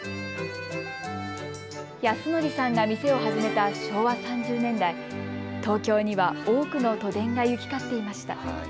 裕規さんが店を始めた昭和３０年代、東京には多くの都電が行き交っていました。